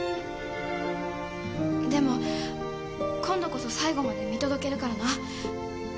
でも今度こそ最後まで見届けるからな。